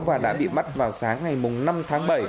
và đã bị bắt vào sáng ngày năm tháng bảy